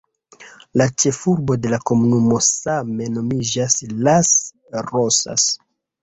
La ĉefurbo de la komunumo same nomiĝas Las Rosas.